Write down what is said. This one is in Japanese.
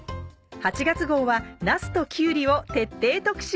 ８月号はなすときゅうりを徹底特集！